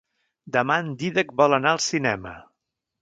Demà en Dídac vol anar al cinema.